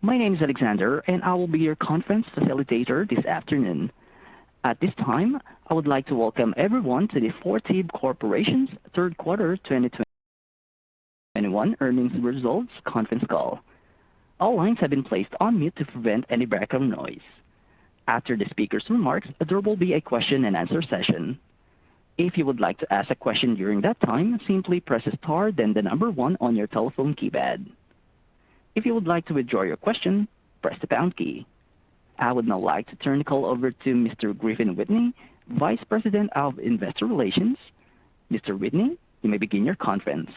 My name is Alexander, and I will be your conference facilitator this afternoon. At this time, I would like to welcome everyone to the Fortive Corporation's third quarter 2021 earnings results conference call. All lines have been placed on mute to prevent any background noise. After the speaker's remarks, there will be a question-and-answer session. If you would like to ask a question during that time, simply press star, then one on your telephone keypad. If you would like to withdraw your question, press the Pound key. I would now like to turn the call over to Mr. Griffin Whitney, Vice President of Investor Relations. Mr. Whitney, you may begin your conference.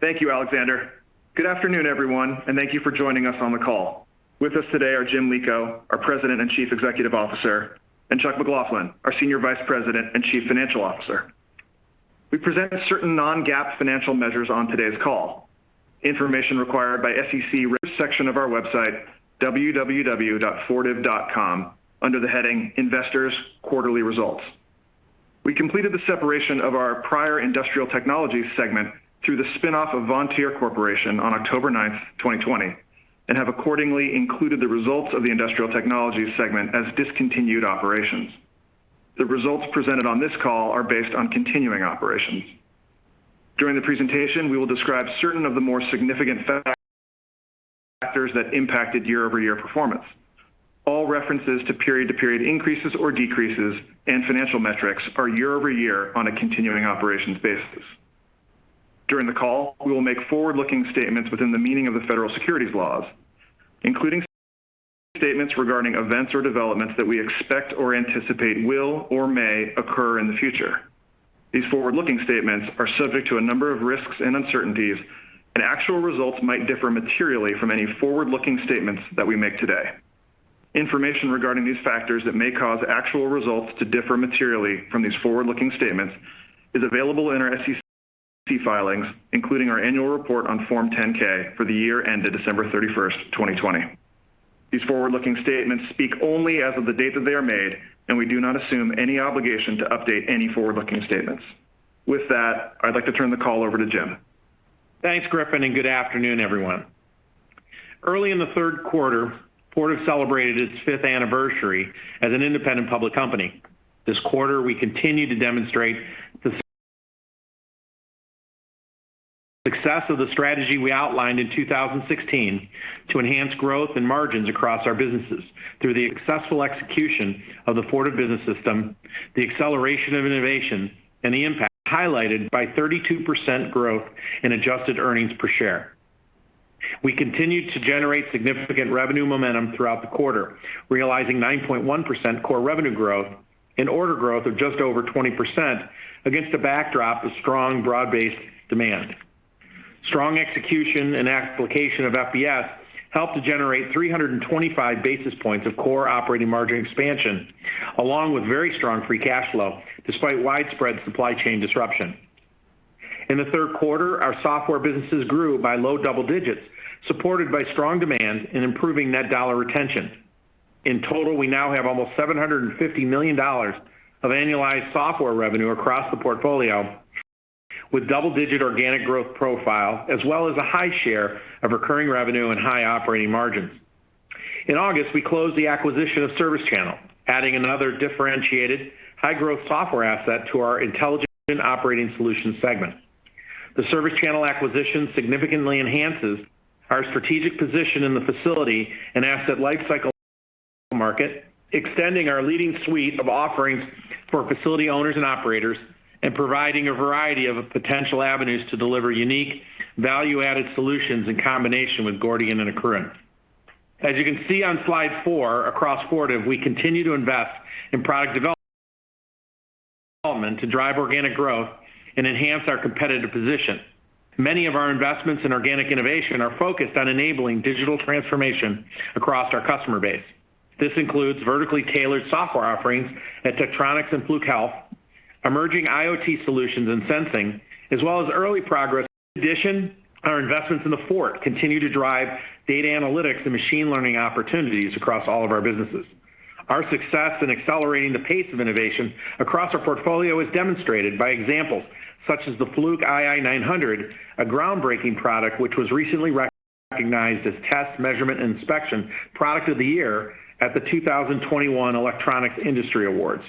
Thank you, Alexander. Good afternoon, everyone, and thank you for joining us on the call. With us today are Jim Lico, our President and Chief Executive Officer, and Chuck McLaughlin, our Senior Vice President and Chief Financial Officer. We present certain non-GAAP financial measures on today's call. Information required by SEC section of our website, www.fortive.com, under the heading Investors Quarterly Results. We completed the separation of our prior industrial technology segment through the spin-off of Vontier Corporation on October 9th, 2020, and have accordingly included the results of the industrial technology segment as discontinued operations. The results presented on this call are based on continuing operations. During the presentation, we will describe certain of the more significant factors that impacted year-over-year performance. All references to period-to-period increases or decreases and financial metrics are year-over-year on a continuing operations basis. During the call, we will make forward-looking statements within the meaning of the federal securities laws, including statements regarding events or developments that we expect or anticipate will or may occur in the future. These forward-looking statements are subject to a number of risks and uncertainties, and actual results might differ materially from any forward-looking statements that we make today. Information regarding these factors that may cause actual results to differ materially from these forward-looking statements is available in our SEC filings, including our annual report on Form 10-K for the year ended December 31st 2020. These forward-looking statements speak only as of the date that they are made, and we do not assume any obligation to update any forward-looking statements. With that, I'd like to turn the call over to Jim. Thanks, Griffin, and good afternoon, everyone. Early in the third quarter, Fortive celebrated its 5th Anniversary as an independent public company. This quarter, we continue to demonstrate the success of the strategy we outlined in 2016 to enhance growth and margins across our businesses through the successful execution of the Fortive Business System, the acceleration of innovation, and the impact highlighted by 32% growth in adjusted earnings per share. We continued to generate significant revenue momentum throughout the quarter, realizing 9.1% core revenue growth and order growth of just over 20% against a backdrop of strong broad-based demand. Strong execution and application of FBS helped to generate 325 basis points of core operating margin expansion, along with very strong free cash flow despite widespread supply chain disruption. In the third quarter, our software businesses grew by low double digits, supported by strong demand and improving net dollar retention. In total, we now have almost $750 million of annualized software revenue across the portfolio with double-digit organic growth profile as well as a high share of recurring revenue and high operating margins. In August, we closed the acquisition of ServiceChannel, adding another differentiated high-growth software asset to our Intelligent Operating Solutions segment. The ServiceChannel acquisition significantly enhances our strategic position in the facility and asset lifecycle market, extending our leading suite of offerings for facility owners and operators, and providing a variety of potential avenues to deliver unique value-added solutions in combination with Gordian and Accruent. As you can see on slide four, across Fortive, we continue to invest in product development to drive organic growth and enhance our competitive position. Many of our investments in organic innovation are focused on enabling digital transformation across our customer base. This includes vertically tailored software offerings at Tektronix and Fluke Health, emerging IoT solutions and sensing, as well as early progress. In addition, our investments in the Forge continue to drive data analytics and machine learning opportunities across all of our businesses. Our success in accelerating the pace of innovation across our portfolio is demonstrated by examples such as the Fluke ii900, a groundbreaking product which was recently recognized as Test, Measurement, and Inspection Product of the Year at the 2021 Electronics Industry Awards.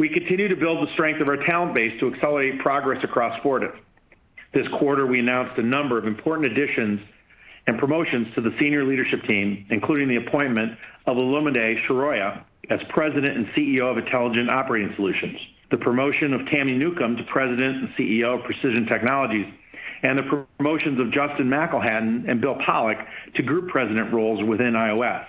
We continue to build the strength of our talent base to accelerate progress across Fortive. This quarter, we announced a number of important additions and promotions to the senior leadership team, including the appointment of Olumide Soroye as President and CEO of Intelligent Operating Solutions, the promotion of Tami Newcombe to President and CEO of Precision Technologies, and the promotions of Justin McElhatton and Bill Pollak to Group President roles within IOS.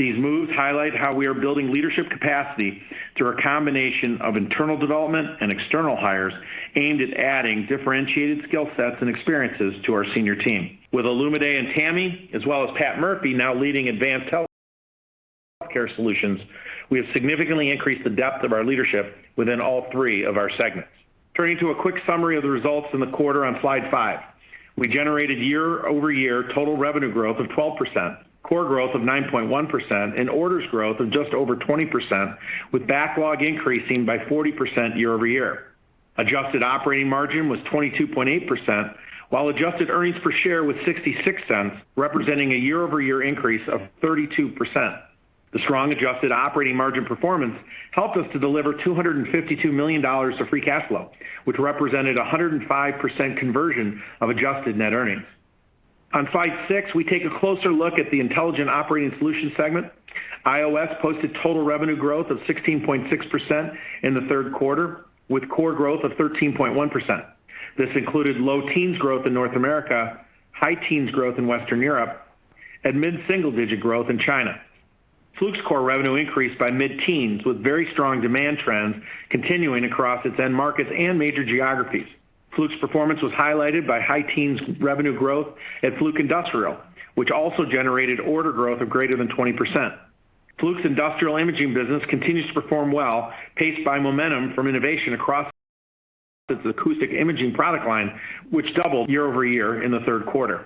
These moves highlight how we are building leadership capacity through a combination of internal development and external hires aimed at adding differentiated skill sets and experiences to our senior team. With Olumide and Tami, as well as Pat Murphy now leading Advanced Healthcare Solutions, we have significantly increased the depth of our leadership within all three of our segments. Turning to a quick summary of the results in the quarter on slide five. We generated year-over-year total revenue growth of 12%, core growth of 9.1%, and orders growth of just over 20%, with backlog increasing by 40% year-over-year. Adjusted operating margin was 22.8%, while adjusted earnings per share was $0.66, representing a year-over-year increase of 32%. The strong adjusted operating margin performance helped us to deliver $252 million of free cash flow, which represented a 105% conversion of adjusted net earnings. On slide six, we take a closer look at the Intelligent Operating Solutions segment. IOS posted total revenue growth of 16.6% in the third quarter, with core growth of 13.1%. This included low teens growth in North America, high teens growth in Western Europe, and mid-single-digit growth in China. Fluke's core revenue increased by mid-teens with very strong demand trends continuing across its end markets and major geographies. Fluke's performance was highlighted by high teens revenue growth at Fluke Industrial, which also generated order growth of greater than 20%. Fluke's industrial imaging business continues to perform well, paced by momentum from innovation across its acoustic imaging product line, which doubled year-over-year in the third quarter.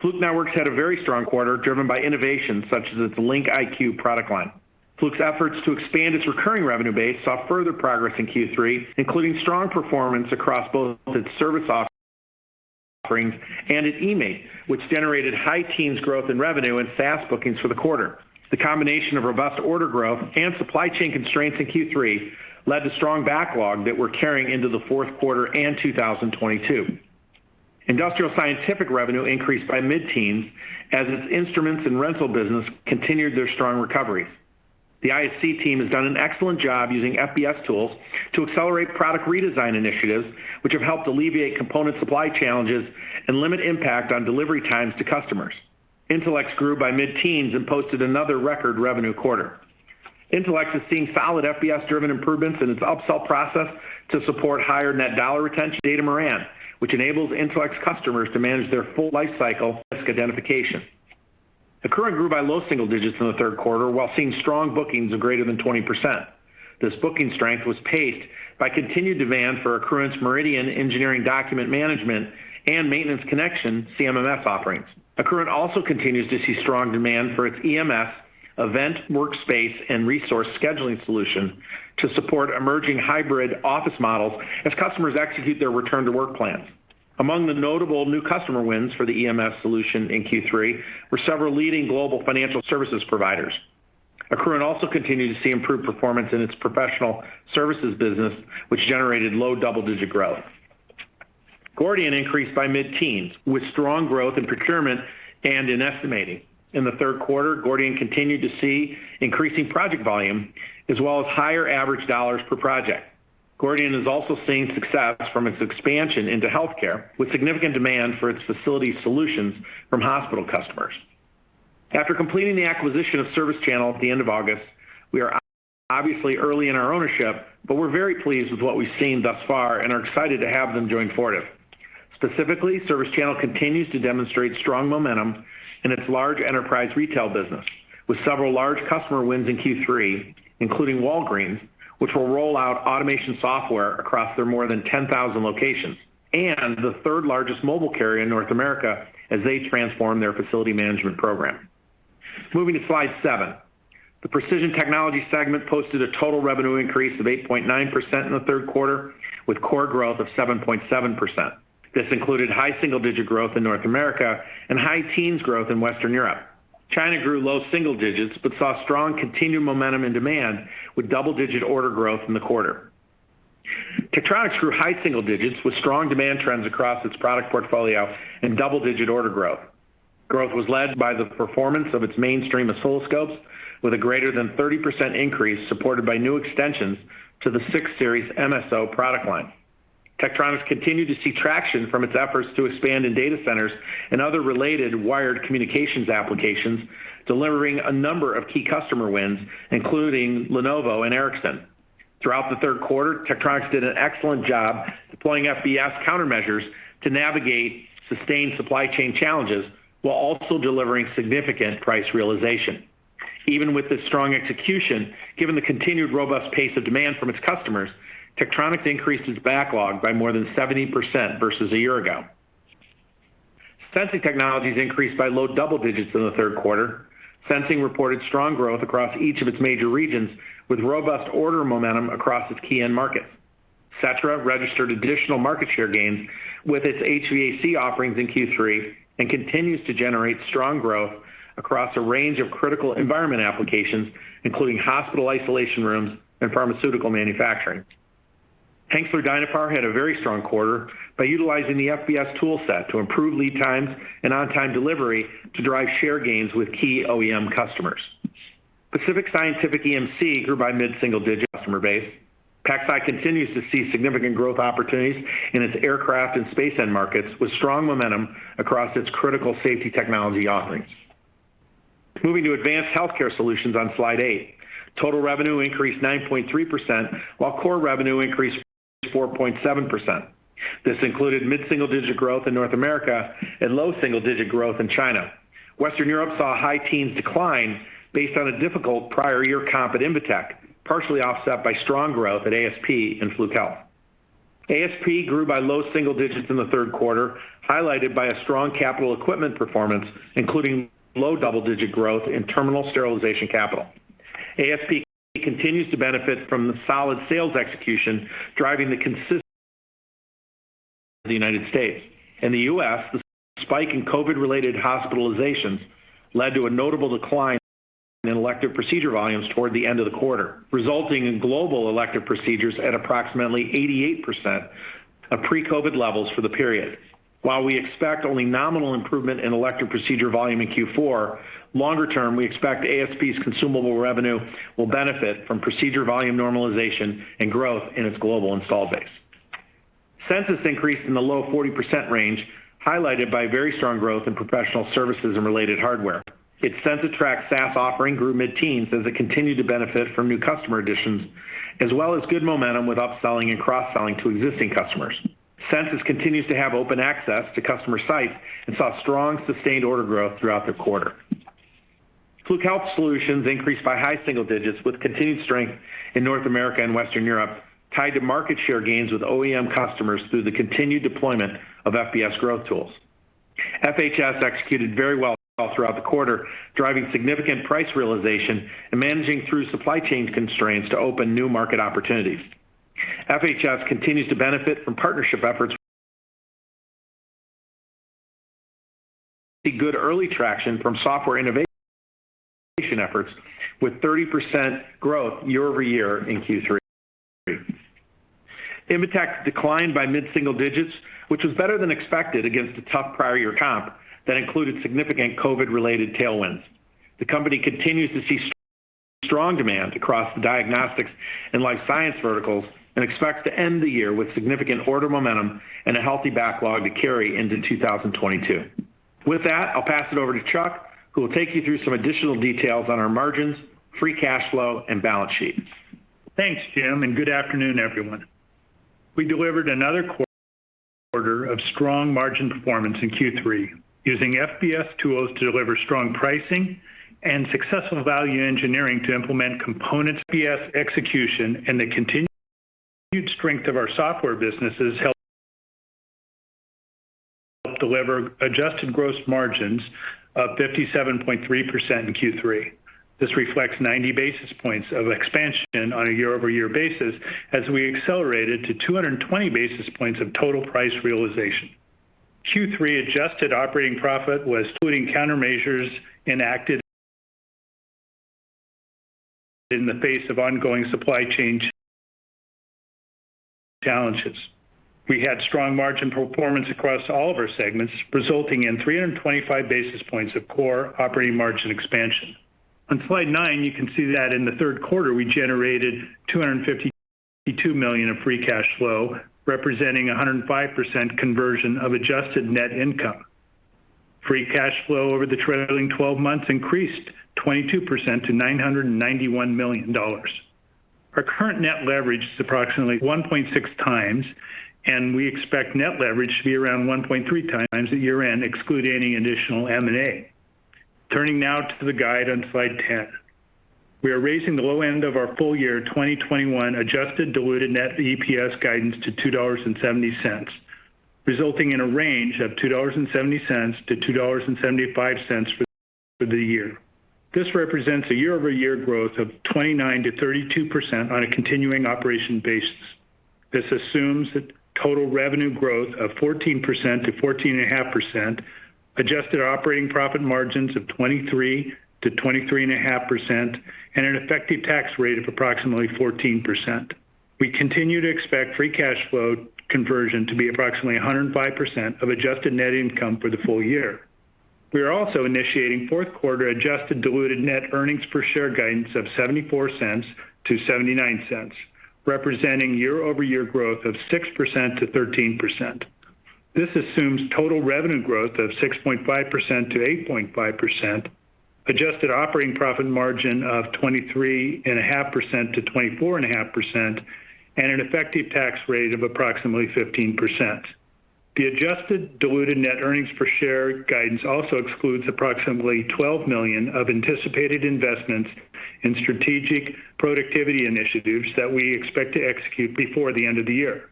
Fluke Networks had a very strong quarter driven by innovation such as its LinkIQ product line. Fluke's efforts to expand its recurring revenue base saw further progress in Q3, including strong performance across both its service offerings and at eMaint, which generated high teens growth in revenue and SaaS bookings for the quarter. The combination of robust order growth and supply chain constraints in Q3 led to strong backlog that we're carrying into the fourth quarter and 2022. Industrial Scientific revenue increased by mid-teens% as its instruments and rental business continued their strong recoveries. The ISC team has done an excellent job using FBS tools to accelerate product redesign initiatives, which have helped alleviate component supply challenges and limit impact on delivery times to customers. Intelex grew by mid-teens% and posted another record revenue quarter. Intelex is seeing solid FBS-driven improvements in its upsell process to support higher net dollar retention, Datamaran, which enables Intelex customers to manage their full lifecycle risk identification. Accruent grew by low single digits% in the third quarter while seeing strong bookings of greater than 20%. This booking strength was paced by continued demand for Accruent's Meridian engineering document management and Maintenance Connection CMMS offerings. Accruent also continues to see strong demand for its EMS event workspace and resource scheduling solution to support emerging hybrid office models as customers execute their return-to-work plans. Among the notable new customer wins for the EMS solution in Q3 were several leading global financial services providers. Accruent also continued to see improved performance in its professional services business, which generated low double-digit growth. Gordian increased by mid-teens, with strong growth in procurement and in estimating. In the third quarter, Gordian continued to see increasing project volume as well as higher average dollars per project. Gordian is also seeing success from its expansion into healthcare, with significant demand for its facility solutions from hospital customers. After completing the acquisition of ServiceChannel at the end of August, we are obviously early in our ownership, but we're very pleased with what we've seen thus far and are excited to have them join Fortive. Specifically, ServiceChannel continues to demonstrate strong momentum in its large enterprise retail business, with several large customer wins in Q3, including Walgreens, which will roll out automation software across their more than 10,000 locations, and the third-largest mobile carrier in North America as they transform their facility management program. Moving to slide seven. The Precision Technology segment posted a total revenue increase of 8.9% in the third quarter, with core growth of 7.7%. This included high single-digit growth in North America and high teens growth in Western Europe. China grew low single digits, but saw strong continued momentum and demand with double-digit order growth in the quarter. Tektronix grew high single digits with strong demand trends across its product portfolio and double-digit order growth. Growth was led by the performance of its mainstream oscilloscopes with a greater than 30% increase supported by new extensions to the 6 Series MSO product line. Tektronix continued to see traction from its efforts to expand in data centers and other related wired communications applications, delivering a number of key customer wins, including Lenovo and Ericsson. Throughout the third quarter, Tektronix did an excellent job deploying FBS countermeasures to navigate sustained supply chain challenges while also delivering significant price realization. Even with this strong execution, given the continued robust pace of demand from its customers, Tektronix increased its backlog by more than 70% versus a year ago. Sensing Technologies increased by low double digits in the third quarter. Sensing reported strong growth across each of its major regions, with robust order momentum across its key end markets. Setra registered additional market share gains with its HVAC offerings in Q3 and continues to generate strong growth across a range of critical environment applications, including hospital isolation rooms and pharmaceutical manufacturing. Hengstler-Dynapar had a very strong quarter by utilizing the FBS tool set to improve lead times and on-time delivery to drive share gains with key OEM customers. Pacific Scientific EMC grew by mid-single digits in its customer base. PacSci continues to see significant growth opportunities in its aircraft and space end markets with strong momentum across its critical safety technology offerings. Moving to Advanced Healthcare Solutions on slide eight. Total revenue increased 9.3%, while core revenue increased 4.7%. This included mid-single-digit growth in North America and low single-digit growth in China. Western Europe saw a high-teens decline based on a difficult prior-year comp at Invetech, partially offset by strong growth at ASP and Fluke Health. ASP grew by low-single-digits in the third quarter, highlighted by a strong capital equipment performance, including low-double-digit growth in terminal sterilization capital. ASP continues to benefit from the solid sales execution, driving consistent execution in the U.S. In the U.S., the spike in COVID-related hospitalizations led to a notable decline in elective procedure volumes toward the end of the quarter, resulting in global elective procedures at approximately 88% of pre-COVID levels for the period. While we expect only nominal improvement in elective procedure volume in Q4, longer-term, we expect ASP's consumable revenue will benefit from procedure volume normalization and growth in its global install base. Censis increased in the low 40% range, highlighted by very strong growth in professional services and related hardware. Its CensiTrac SaaS offering grew mid-teens as it continued to benefit from new customer additions, as well as good momentum with upselling and cross-selling to existing customers. Censis continues to have open access to customer sites and saw strong sustained order growth throughout the quarter. Fluke Health Solutions increased by high single digits, with continued strength in North America and Western Europe, tied to market share gains with OEM customers through the continued deployment of FBS growth tools. FHS executed very well throughout the quarter, driving significant price realization and managing through supply chain constraints to open new market opportunities. FHS continues to benefit from partnership efforts, good early traction from software innovation efforts, with 30% growth year-over-year in Q3. Invetech declined by mid-single digits, which was better than expected against a tough prior year comp that included significant COVID-related tailwinds. The company continues to see strong demand across the diagnostics and life science verticals, and expects to end the year with significant order momentum and a healthy backlog to carry into 2022. With that, I'll pass it over to Chuck, who will take you through some additional details on our margins, free cash flow, and balance sheet. Thanks, Jim, and good afternoon, everyone. We delivered another quarter of strong margin performance in Q3, using FBS tools to deliver strong pricing and successful value engineering to implement component FBS execution and the continued strength of our software businesses help deliver adjusted gross margins of 57.3% in Q3. This reflects 90 basis points of expansion on a year-over-year basis as we accelerated to 220 basis points of total price realization. Q3 adjusted operating profit was including countermeasures enacted in the face of ongoing supply chain challenges. We had strong margin performance across all of our segments, resulting in 325 basis points of core operating margin expansion. On slide nine, you can see that in the third quarter, we generated $252 million of free cash flow, representing a 105% conversion of adjusted net income. Free cash flow over the trailing twelve months increased 22% to $991 million. Our current net leverage is approximately 1.6x, and we expect net leverage to be around 1.3x at year-end, excluding any additional M&A. Turning now to the guide on slide 10. We are raising the low end of our full year 2021 adjusted diluted net EPS guidance to $2.70, resulting in a range of $2.70-$2.75 for the year. This represents a year-over-year growth of 29%-32% on a continuing operation basis. This assumes that total revenue growth of 14%-14.5%, adjusted operating profit margins of 23%-23.5%, and an effective tax rate of approximately 14%. We continue to expect free cash flow conversion to be approximately 105% of adjusted net income for the full year. We are also initiating fourth quarter adjusted diluted net earnings per share guidance of $0.74-$0.79, representing year-over-year growth of 6%-13%. This assumes total revenue growth of 6.5%-8.5%, adjusted operating profit margin of 23.5%-24.5%, and an effective tax rate of approximately 15%. The adjusted diluted net earnings per share guidance also excludes approximately $12 million of anticipated investments in strategic productivity initiatives that we expect to execute before the end of the year.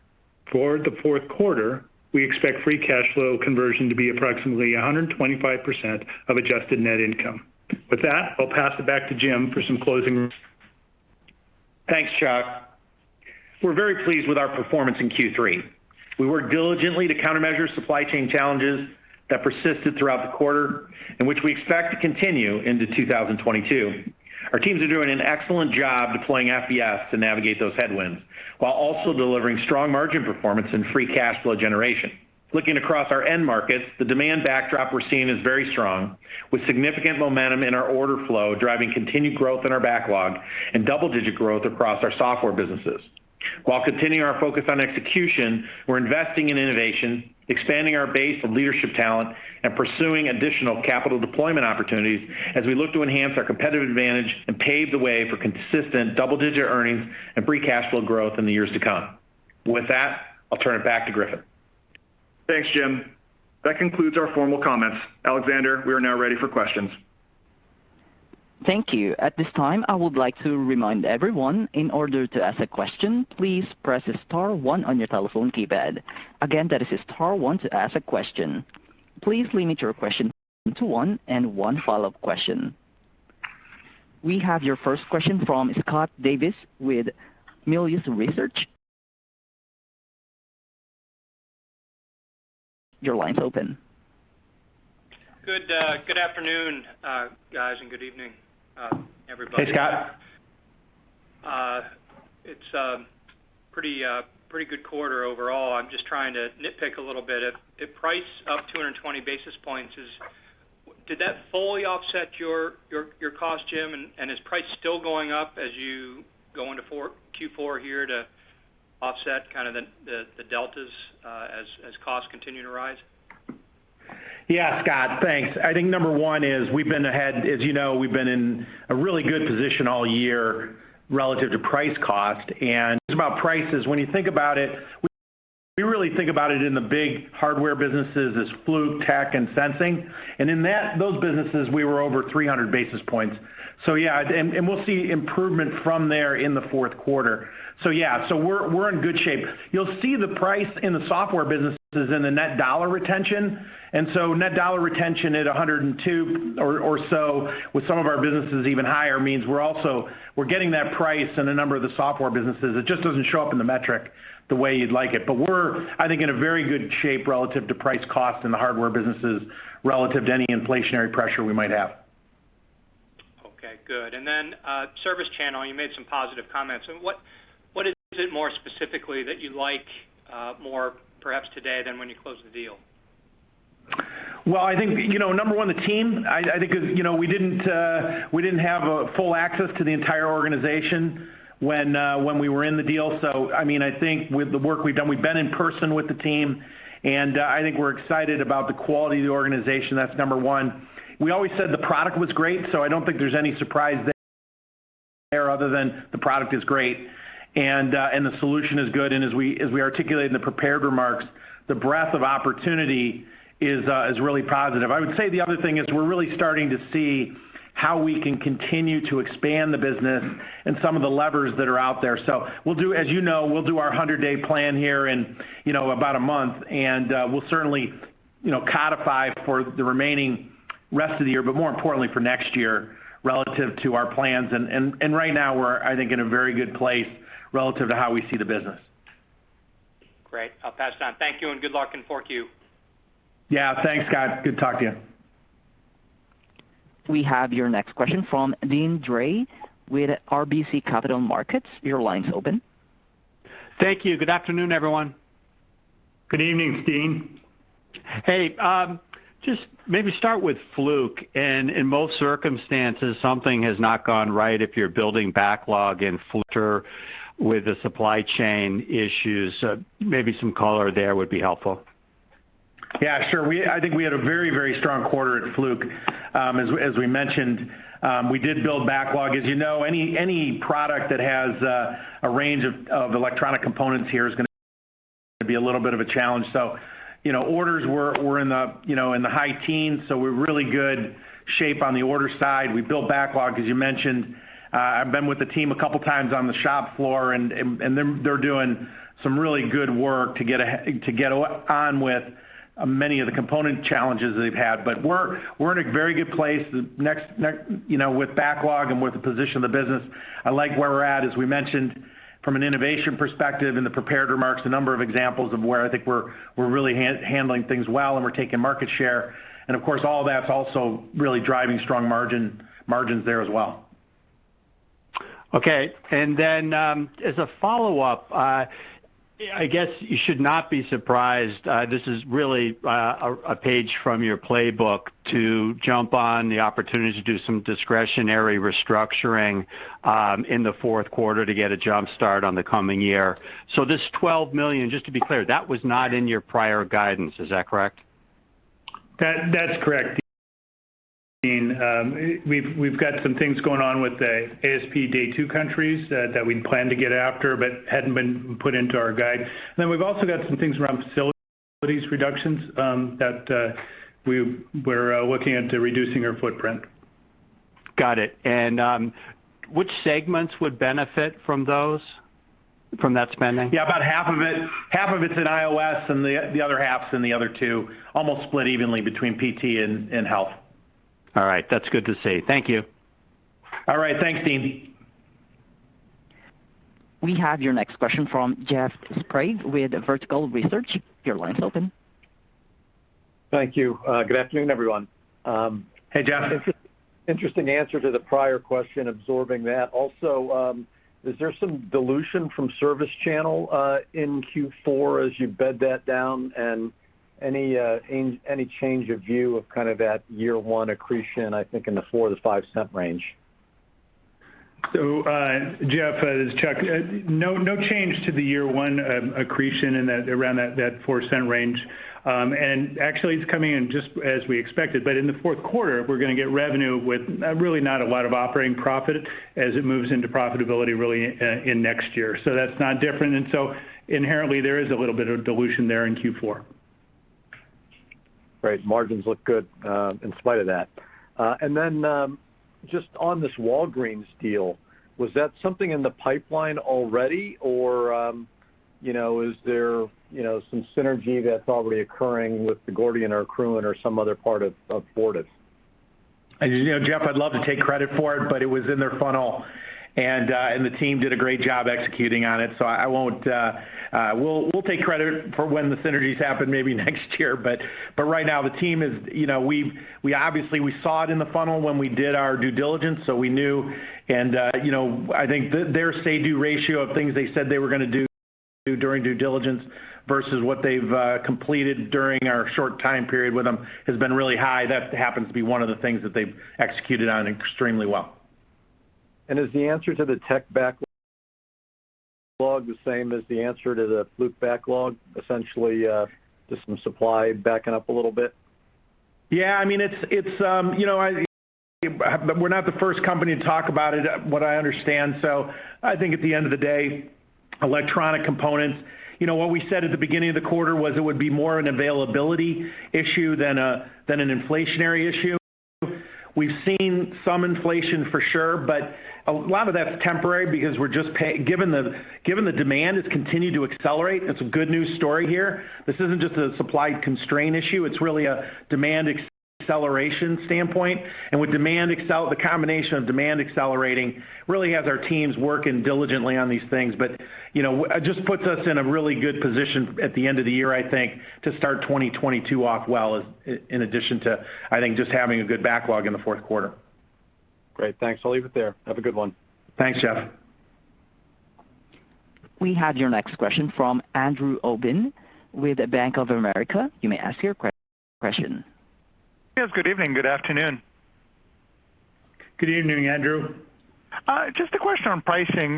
For the fourth quarter, we expect free cash flow conversion to be approximately 125% of adjusted net income. With that, I'll pass it back to Jim for some closing remarks. Thanks, Chuck. We're very pleased with our performance in Q3. We worked diligently to countermeasure supply chain challenges that persisted throughout the quarter, and which we expect to continue into 2022. Our teams are doing an excellent job deploying FBS to navigate those headwinds, while also delivering strong margin performance and free cash flow generation. Looking across our end markets, the demand backdrop we're seeing is very strong, with significant momentum in our order flow driving continued growth in our backlog and double-digit growth across our software businesses. While continuing our focus on execution, we're investing in innovation, expanding our base of leadership talent, and pursuing additional capital deployment opportunities as we look to enhance our competitive advantage and pave the way for consistent double-digit earnings and free cash flow growth in the years to come. With that, I'll turn it back to Griffin. Thanks, Jim. That concludes our formal comments. Alexander, we are now ready for questions. Thank you. At this time, I would like to remind everyone in order to ask a question, please press star one on your telephone keypad. Again, that is star one to ask a question. Please limit your question to one and one follow-up question. We have your first question from Scott Davis with Melius Research. Your line's open. Good afternoon, guys, and good evening, everybody. Hey, Scott. It's a pretty good quarter overall. I'm just trying to nitpick a little bit. If price up 220 basis points, did that fully offset your cost, Jim? Is price still going up as you go into Q4 here to offset kind of the deltas as costs continue to rise? Yeah, Scott, thanks. I think number one is we've been ahead as you know, we've been in a really good position all year relative to price cost. Just about prices, when you think about it, we really think about it in the big hardware businesses as Fluke, Tektronix, and sensing. In those businesses, we were over 300 basis points. Yeah, and we'll see improvement from there in the fourth quarter. Yeah. We're in good shape. You'll see the price in the software businesses in the net dollar retention. Net dollar retention at 102 or so, with some of our businesses even higher, means we're also getting that price in a number of the software businesses. It just doesn't show up in the metric the way you'd like it. We're, I think, in a very good shape relative to price cost in the hardware businesses relative to any inflationary pressure we might have. Okay, good. ServiceChannel, you made some positive comments. What is it more specifically that you like, more perhaps today than when you closed the deal? Well, I think, you know, number one, the team. I think, you know, we didn't have full access to the entire organization when we were in the deal. I mean, I think with the work we've done, we've been in person with the team, and I think we're excited about the quality of the organization. That's number one. We always said the product was great, so I don't think there's any surprise there other than the product is great and the solution is good. As we articulated in the prepared remarks, the breadth of opportunity is really positive. I would say the other thing is we're really starting to see how we can continue to expand the business and some of the levers that are out there. We'll do, as you know, our 100-day plan here in, you know, about a month. We'll certainly, you know, codify for the remaining rest of the year, but more importantly for next year relative to our plans. Right now we're, I think, in a very good place relative to how we see the business. Great. I'll pass it on. Thank you, and good luck in 4Q. Yeah. Thanks, Scott. Good talking to you. We have your next question from Deane Dray with RBC Capital Markets. Your line's open. Thank you. Good afternoon, everyone. Good evening, Deane. Hey, just maybe start with Fluke. In most circumstances, something has not gone right if you're building backlog in Fluke with the supply chain issues. Maybe some color there would be helpful. Yeah, sure. I think we had a very strong quarter at Fluke. As we mentioned, we did build backlog. As you know, any product that has a range of electronic components here is gonna be a little bit of a challenge. You know, orders were in the high teens, so we're in really good shape on the order side. We built backlog, as you mentioned. I've been with the team a couple times on the shop floor, and they're doing some really good work to get on with many of the component challenges they've had. But we're in a very good place next with backlog and with the position of the business. I like where we're at. As we mentioned from an innovation perspective in the prepared remarks, the number of examples of where I think we're really handling things well and we're taking market share. Of course, all that's also really driving strong margins there as well. Okay. Then, as a follow-up, I guess you should not be surprised. This is really a page from your playbook to jump on the opportunity to do some discretionary restructuring in the fourth quarter to get a jump start on the coming year. This $12 million, just to be clear, that was not in your prior guidance. Is that correct? That's correct, Deane. We've got some things going on with the ASP Day 2 countries that we'd planned to get after but hadn't been put into our guide. We've also got some things around facilities reductions that we're looking into reducing our footprint. Got it. Which segments would benefit from that spending? Yeah. About half of it, half of it's in IOS and the other half's in the other two, almost split evenly between PT and health. All right. That's good to see. Thank you. All right. Thanks, Deane. We have your next question from Jeff Sprague with Vertical Research. Your line's open. Thank you. Good afternoon, everyone. Hey, Jeff. Interesting answer to the prior question, absorbing that. Also, is there some dilution from ServiceChannel in Q4 as you bed that down? And any change of view of kind of that year one accretion, I think in the $0.04-$0.05 range? Jeff, it's Chuck. No change to the year one accretion in that around that $0.04 range. Actually it's coming in just as we expected. In the fourth quarter, we're gonna get revenue with really not a lot of operating profit as it moves into profitability really in next year. That's not different. Inherently, there is a little bit of dilution there in Q4. Right. Margins look good in spite of that. Just on this Walgreens deal, was that something in the pipeline already or you know, is there you know, some synergy that's already occurring with the Gordian or Accruent or some other part of Fortive? You know, Jeff, I'd love to take credit for it, but it was in their funnel. The team did a great job executing on it. I won't. We'll take credit for when the synergies happen maybe next year. Right now the team is, you know, we obviously saw it in the funnel when we did our due diligence, so we knew. You know, I think their say/do ratio of things they said they were gonna do during due diligence versus what they've completed during our short time period with them has been really high. That happens to be one of the things that they've executed on extremely well. Is the answer to the tech backlog the same as the answer to the Fluke backlog? Essentially, just some supply backing up a little bit. Yeah. I mean, it's you know, we're not the first company to talk about it, what I understand. I think at the end of the day, electronic components. You know, what we said at the beginning of the quarter was it would be more an availability issue than an inflationary issue. We've seen some inflation for sure, but a lot of that's temporary because we're just given the demand, it's continued to accelerate. It's a good news story here. This isn't just a supply constraint issue, it's really a demand acceleration standpoint. With the combination of demand accelerating really has our teams working diligently on these things. You know, just puts us in a really good position at the end of the year, I think, to start 2022 off well, in addition to, I think, just having a good backlog in the fourth quarter. Great. Thanks. I'll leave it there. Have a good one. Thanks, Jeff. We have your next question from Andrew Obin with Bank of America. You may ask your question. Yes. Good evening. Good afternoon. Good evening, Andrew. Just a question on pricing.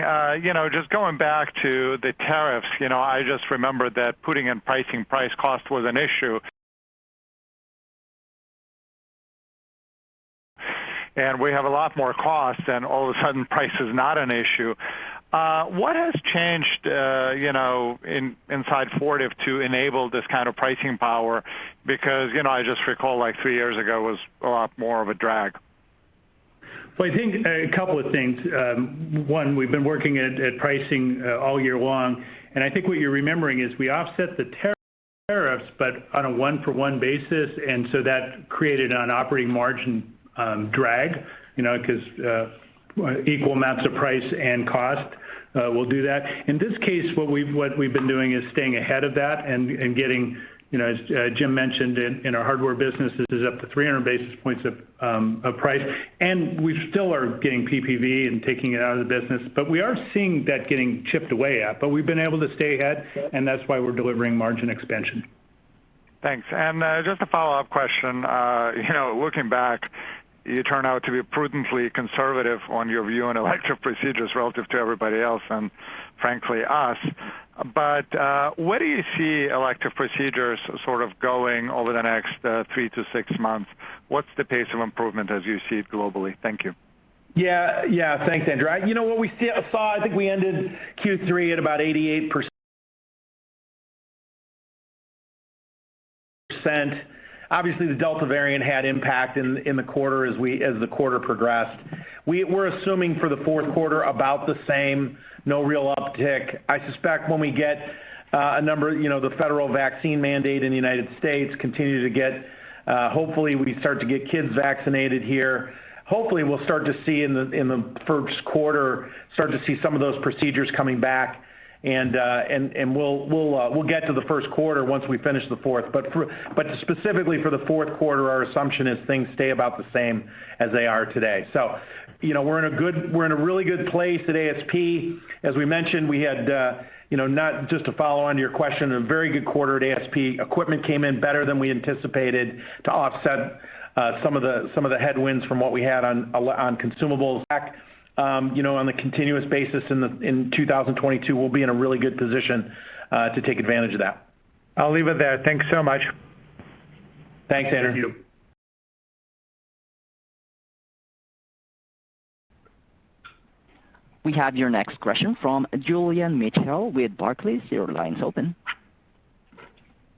You know, just going back to the tariffs. You know, I just remember that putting in pricing price cost was an issue. We have a lot more cost, and all of a sudden price is not an issue. What has changed, you know, inside Fortive to enable this kind of pricing power? Because, you know, I just recall, like, three years ago, it was a lot more of a drag. Well, I think a couple of things. One, we've been working at pricing all year long, and I think what you're remembering is we offset the tariffs, but on a one-for-one basis, and so that created an operating margin drag, you know, because equal amounts of price and cost will do that. In this case, what we've been doing is staying ahead of that and getting, you know, as Jim mentioned in our hardware business, this is up to 300 basis points of price. We still are getting PPV and taking it out of the business. But we are seeing that getting chipped away at, but we've been able to stay ahead, and that's why we're delivering margin expansion. Thanks. Just a follow-up question. You know, looking back, you turn out to be prudently conservative on your view on elective procedures relative to everybody else and frankly us. Where do you see elective procedures sort of going over the next three to six months? What's the pace of improvement as you see it globally? Thank you. Yeah. Thanks, Andrew. You know what we saw, I think we ended Q3 at about 88%. Obviously, the Delta variant had impact in the quarter as the quarter progressed. We're assuming for the fourth quarter about the same, no real uptick. I suspect when we get a number, you know, the federal vaccine mandate in the United States continue to get hopefully we start to get kids vaccinated here. Hopefully, we'll start to see in the first quarter start to see some of those procedures coming back, and we'll get to the first quarter once we finish the fourth. Specifically for the fourth quarter, our assumption is things stay about the same as they are today. You know, we're in a really good place at ASP. As we mentioned, we had, you know, not just to follow on to your question, a very good quarter at ASP. Equipment came in better than we anticipated to offset some of the headwinds from what we had on consumables. You know, on a continuous basis in 2022, we'll be in a really good position to take advantage of that. I'll leave it there. Thanks so much. Thanks, Andrew. Thank you. We have your next question from Julian Mitchell with Barclays. Your line's open.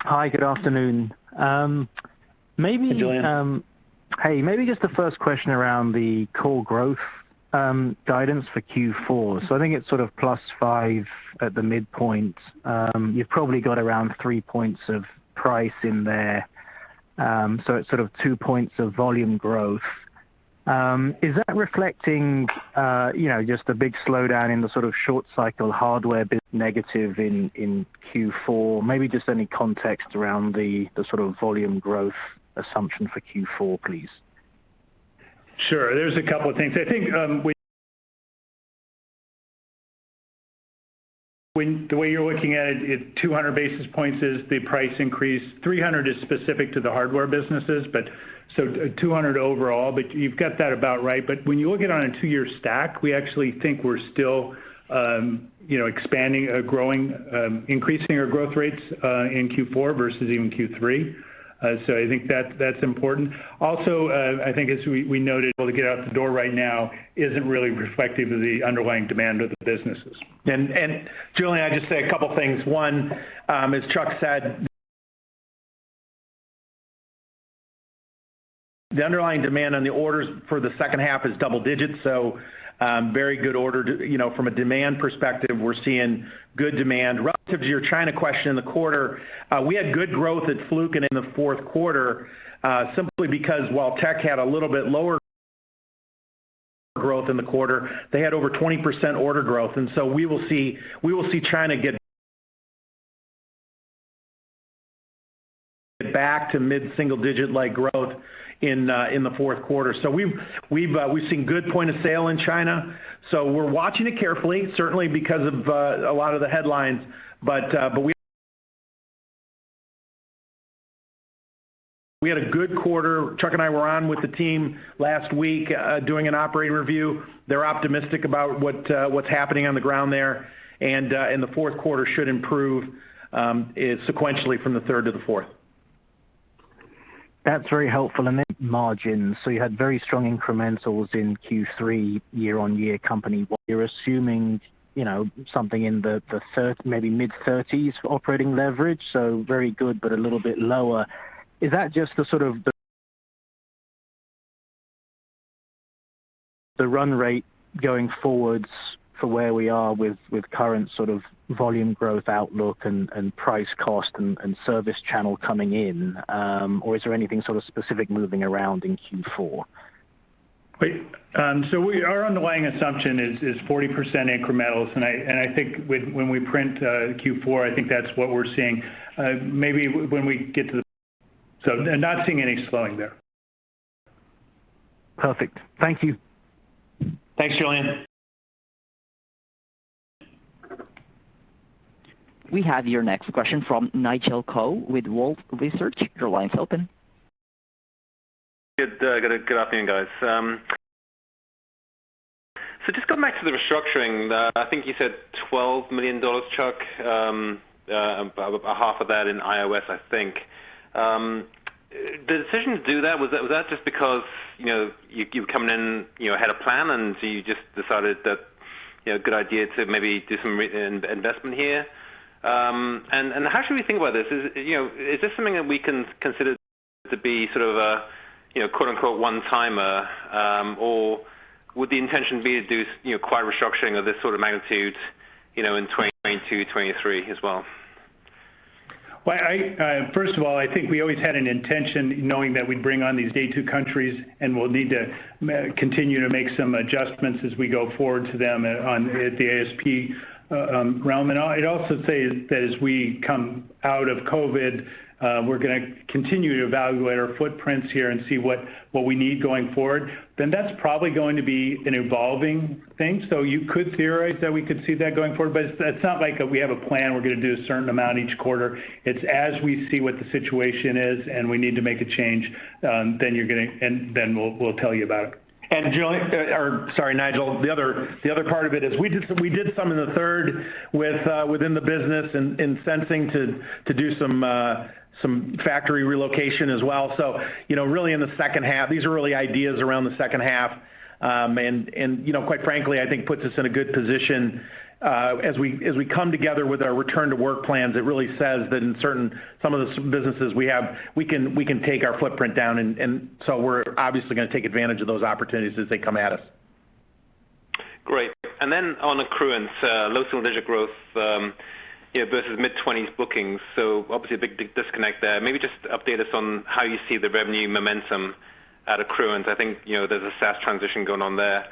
Hi, good afternoon. Hi, Julian. Hey. Maybe just the first question around the core growth guidance for Q4. So I think it's sort of +5% at the midpoint. You've probably got around three points of price in there. So it's sort of two points of volume growth. Is that reflecting just a big slowdown in the sort of short cycle hardware bit negative in Q4? Maybe just any context around the sort of volume growth assumption for Q4, please. Sure. There's a couple of things. I think, when the way you're looking at it, 200 basis points is the price increase. 300 is specific to the hardware businesses, but 200 overall. You've got that about right. When you look at it on a two-year stack, we actually think we're still, you know, expanding, growing, increasing our growth rates in Q4 versus even Q3. I think that's important. Also, I think as we noted, able to get out the door right now isn't really reflective of the underlying demand of the businesses. Julian, I'll just say a couple things. One, as Chuck said. The underlying demand on the orders for the second half is double digits, so, very good order. You know, from a demand perspective, we're seeing good demand. Relative to your China question in the quarter, we had good growth at Fluke and in the fourth quarter, simply because while tech had a little bit lower growth in the quarter, they had over 20% order growth. We will see China get back to mid-single digit-like growth in the fourth quarter. We've seen good point of sale in China. We're watching it carefully, certainly because of a lot of the headlines. We had a good quarter. Chuck and I were on with the team last week, doing an operating review. They're optimistic about what's happening on the ground there. The fourth quarter should improve sequentially from the third to the fourth. That's very helpful. Margins. You had very strong incrementals in Q3 year-on-year company. You're assuming, you know, something in the maybe mid-30s% for operating leverage, so very good but a little bit lower. Is that just the sort of run rate going forwards for where we are with current sort of volume growth outlook and price cost and ServiceChannel coming in? Is there anything sort of specific moving around in Q4? Wait. Our underlying assumption is 40% incrementals, and I think when we print Q4, that's what we're seeing. Maybe when we get to the. Not seeing any slowing there. Perfect. Thank you. Thanks, Julian. We have your next question from Nigel Coe with Wolfe Research. Your line's open. Good afternoon, guys. Just going back to the restructuring, I think you said $12 million, Chuck, about half of that in IOS, I think. The decision to do that, was that just because you know you coming in you know had a plan, and so you just decided that you know good idea to maybe do some reinvestment here? How should we think about this? Is this something that we can consider to be sort of a you know quote-unquote “one-timer” or would the intention be to do you know quite restructuring of this sort of magnitude you know in 2022 2023 as well? First of all, I think we always had an intention knowing that we'd bring on these Day 2 countries, and we'll need to continue to make some adjustments as we go forward to them on at the ASP realm. I'd also say that as we come out of COVID, we're gonna continue to evaluate our footprints here and see what we need going forward. That's probably going to be an evolving thing. You could theorize that we could see that going forward, but it's not like we have a plan, we're gonna do a certain amount each quarter. It's as we see what the situation is and we need to make a change, then we'll tell you about it. Julian, or sorry, Nigel, the other part of it is we did some in the third within the business in Sensing to do some factory relocation as well. You know, really in the second half, these are really ideas around the second half. You know, quite frankly, I think puts us in a good position as we come together with our return to work plans. It really says that in certain, some of the Sensing businesses we have, we can take our footprint down. We're obviously gonna take advantage of those opportunities as they come at us. Great. On Accruent, low single-digit growth, you know, versus mid-20s bookings. Obviously a big disconnect there. Maybe just update us on how you see the revenue momentum at Accruent. I think, you know, there's a SaaS transition going on there.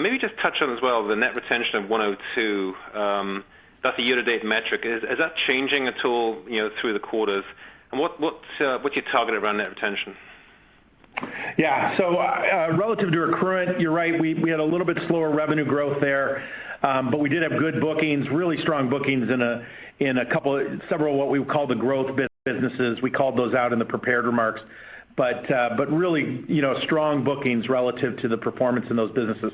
Maybe just touch on as well the net retention of 102, that's the year-to-date metric. Is that changing at all, you know, through the quarters? What’s your target around net retention? Yeah. Relative to Accruent, you're right, we had a little bit slower revenue growth there, but we did have good bookings, really strong bookings in several of what we would call the growth businesses. We called those out in the prepared remarks. Really, you know, strong bookings relative to the performance in those businesses.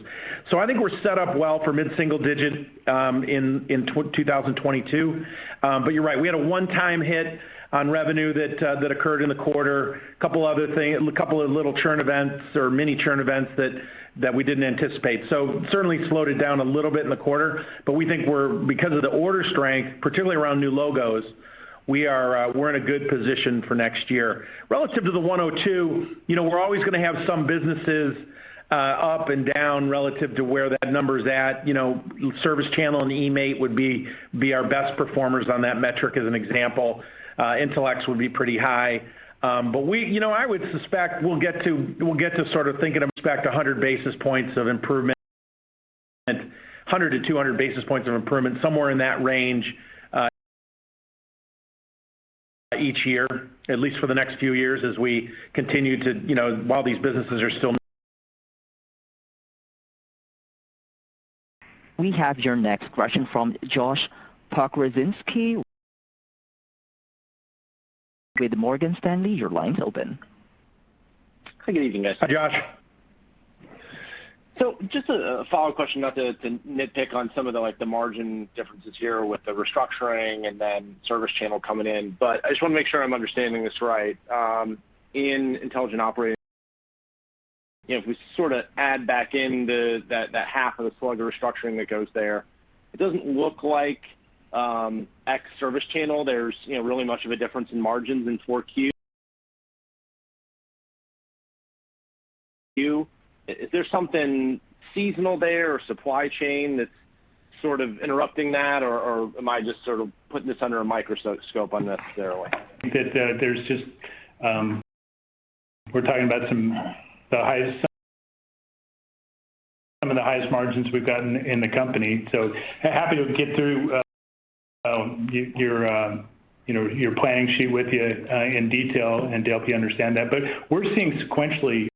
I think we're set up well for mid-single digit in 2022. You're right. We had a one-time hit on revenue that occurred in the quarter. A couple of little churn events or mini churn events that we didn't anticipate. Certainly slowed it down a little bit in the quarter. We think we're in a good position for next year because of the order strength, particularly around new logos. Relative to the 102, you know, we're always gonna have some businesses up and down relative to where that number's at. You know, ServiceChannel and eMaint would be our best performers on that metric as an example. Intelex would be pretty high. You know, I would suspect we'll get to sort of with respect to 100 basis points of improvement, 100-200 basis points of improvement, somewhere in that range each year, at least for the next few years as we continue to, you know, while these businesses are still- We have your next question from Josh Pokrzywinski with Morgan Stanley. Your line's open. Good evening, guys. Hi, Josh. Just a follow-up question, not to nitpick on some of the like the margin differences here with the restructuring and then ServiceChannel coming in, but I just wanna make sure I'm understanding this right. In Intelligent Operating, if we sort of add back in that half of the slug restructuring that goes there, it doesn't look like ex ServiceChannel, there's you know really much of a difference in margins in Q4. Is there something seasonal there or supply chain that's sort of interrupting that? Or am I just sort of putting this under a microscope unnecessarily? I think that there's just we're talking about some of the highest margins we've gotten in the company. I'm happy to get through your, you know, planning sheet with you in detail and to help you understand that. We're seeing sequentially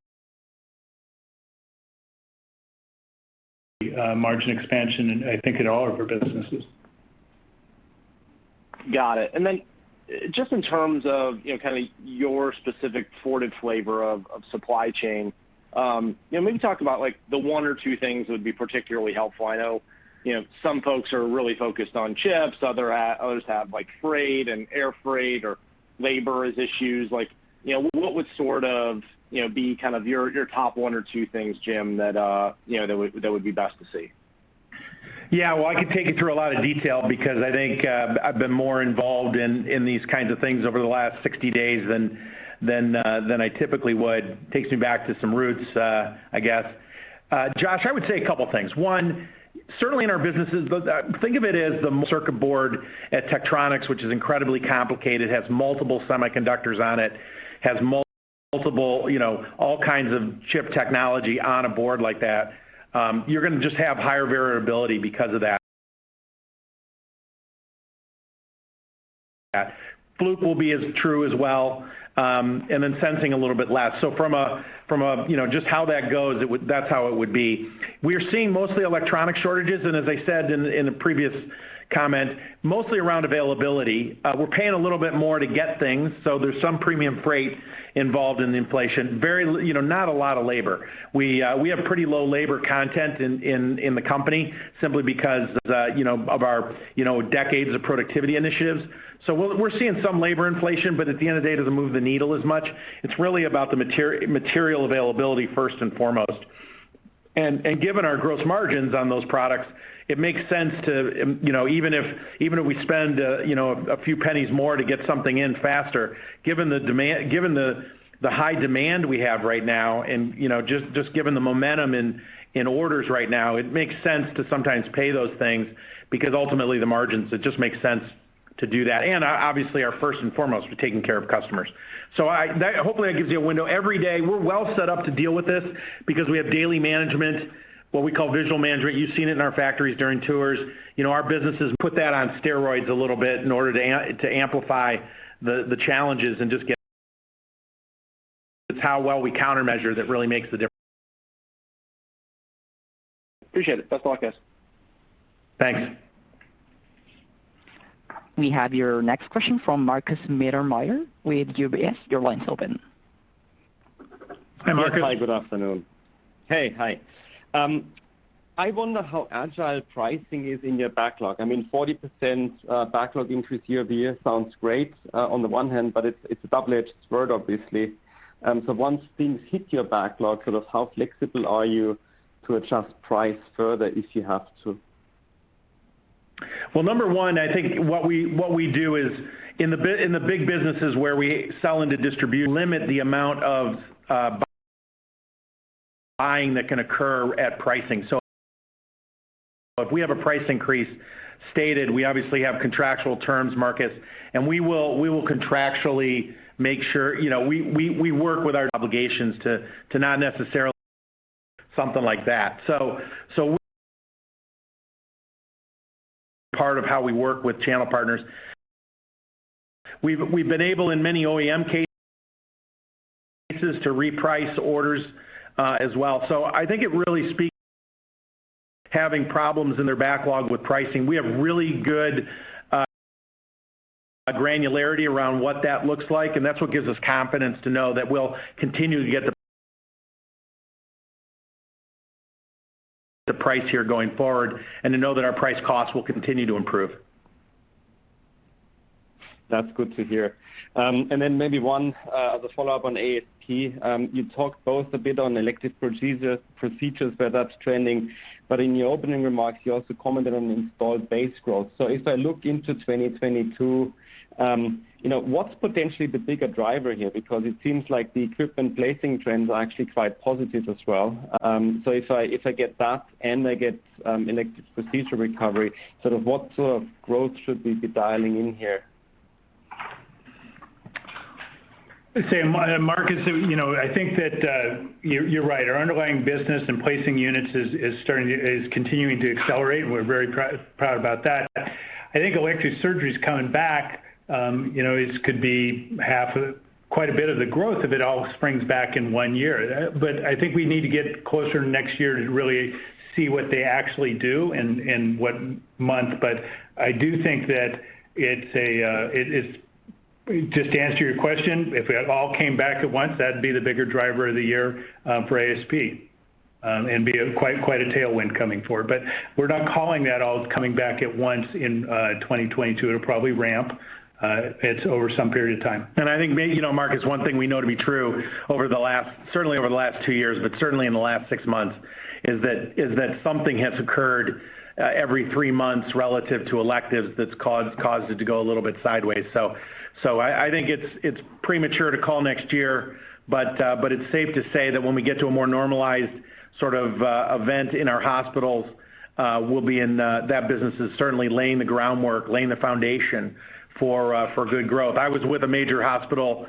margin expansion, I think, in all of our businesses. Got it. Just in terms of, you know, kind of your specific Fortive flavor of supply chain, you know, maybe talk about like the one or two things that would be particularly helpful. I know, you know, some folks are really focused on chips, others have like freight and air freight or labor as issues. Like, you know, what would sort of, you know, be kind of your top one or two things, Jim, that, you know, that would be best to see? Yeah. Well, I could take you through a lot of detail because I think I've been more involved in these kinds of things over the last 60 days than I typically would. Takes me back to some roots, I guess. Josh, I would say a couple of things. One, certainly in our businesses, but think of it as the circuit board at Tektronix, which is incredibly complicated, has multiple semiconductors on it, has multiple, you know, all kinds of chip technology on a board like that. You're gonna just have higher variability because of that. Fluke will be as true as well, and then sensing a little bit less. From a, you know, just how that goes, it would. That's how it would be. We are seeing mostly electronic shortages, and as I said in the previous comment, mostly around availability. We're paying a little bit more to get things, so there's some premium freight involved in the inflation. You know, not a lot of labor. We have pretty low labor content in the company simply because of, you know, of our, you know, decades of productivity initiatives. We're seeing some labor inflation, but at the end of the day, it doesn't move the needle as much. It's really about the material availability first and foremost. Given our gross margins on those products, it makes sense to, you know, even if we spend, you know, a few pennies more to get something in faster. Given the high demand we have right now, and, you know, just given the momentum in orders right now, it makes sense to sometimes pay those things because ultimately the margins, it just makes sense to do that. Obviously, our first and foremost, we're taking care of customers. Hopefully, that gives you a window every day. We're well set up to deal with this because we have daily management, what we call visual management. You've seen it in our factories during tours. You know, our businesses put that on steroids a little bit in order to amplify the challenges and just get. It's how well we countermeasure that really makes the difference. Appreciate it. Best of luck, guys. Thanks. We have your next question from Markus Mittermaier with UBS. Your line's open. Hi, Markus. Hi. Good afternoon. Hey. Hi. I wonder how agile pricing is in your backlog. I mean, 40% backlog increase year-over-year sounds great on the one hand, but it's a double-edged sword, obviously. Once things hit your backlog, sort of how flexible are you to adjust price further if you have to? Well, number one, I think what we do is in the big businesses where we sell into distribution, limit the amount of buying that can occur at pricing. If we have a price increase stated, we obviously have contractual terms, Markus, and we will contractually make sure, you know, we work with our obligations to not necessarily something like that. Part of how we work with channel partners. We've been able in many OEM cases to reprice orders as well. I think it really speaks to having problems in their backlog with pricing. We have really good granularity around what that looks like, and that's what gives us confidence to know that we'll continue to get the price here going forward and to know that our price cost will continue to improve. That's good to hear. Maybe one other follow-up on ASP. You talked both a bit on elective procedures where that's trending, but in your opening remarks, you also commented on installed base growth. If I look into 2022, you know, what's potentially the bigger driver here? Because it seems like the equipment placing trends are actually quite positive as well. If I get that and elective procedure recovery, what sort of growth should we be dialing in here? Let's say, Markus, you know, I think that you're right. Our underlying business and placing units is continuing to accelerate. We're very proud about that. I think elective surgery is coming back. You know, it could be half of quite a bit of the growth if it all springs back in one year. I think we need to get closer to next year to really see what they actually do and what month. I do think that it's. Just to answer your question, if it all came back at once, that'd be the bigger driver of the year for ASP. And be a quite a tailwind coming forward. We're not calling that all coming back at once in 2022. It'll probably ramp, it's over some period of time. I think maybe, you know, Mark, it's one thing we know to be true over the last certainly over the last two years, but certainly in the last six months, is that something has occurred every three months relative to electives that's caused it to go a little bit sideways. I think it's premature to call next year, but it's safe to say that when we get to a more normalized sort of event in our hospitals, we'll be in that business is certainly laying the groundwork, laying the foundation for good growth. I was with a major hospital